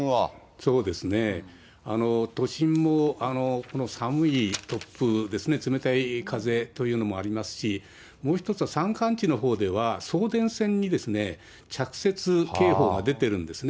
そうですね、都心もこの寒い突風ですね、冷たい風というのもありますし、もう一つは山間地のほうでは、送電線に着雪警報が出てるんですね。